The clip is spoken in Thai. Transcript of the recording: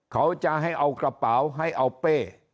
เขาจะให้เอากระเป๋าให้เอาเป้